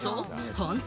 本当？